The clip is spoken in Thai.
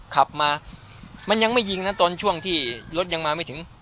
ขับมามันยังไม่ยิงนะตอนช่วงที่รถยังมาไม่ถึง